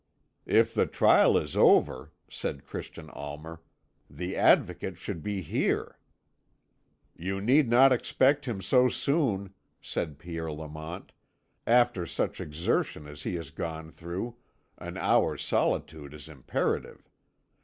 "If the trial is over," said Christian Almer, "the Advocate should be here." "You need not expect him so soon," said Pierre Lamont; "after such exertion as he has gone through, an hour's solitude is imperative.